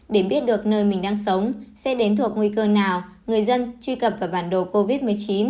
để biết được nơi mình đang sống sẽ đến thuộc nguy cơ nào người dân truy cập vào bản đồ covid một mươi chín